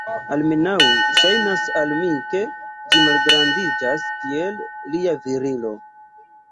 Almenaŭ, ŝajnas al mi ke ĝi malgrandiĝas, kiel lia virilo.